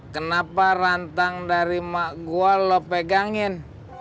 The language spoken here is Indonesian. kenapa rantang dari mak gua lo pegangin